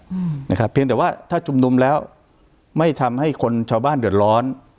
อืมนะครับเพียงแต่ว่าถ้าชุมนุมแล้วไม่ทำให้คนชาวบ้านเดือดร้อน